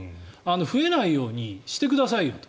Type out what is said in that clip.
増えないようにしてくださいよと。